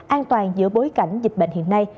an toàn giữa bối cảnh dịch bệnh hiện nay